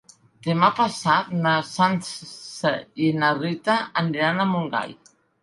Demà passat na Sança i na Rita aniran a Montgai.